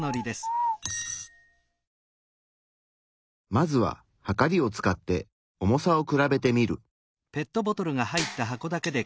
まずははかりを使って重さを比べてみる。